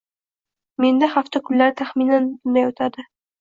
Menda hafta kunlari taxminan bunday o'tadi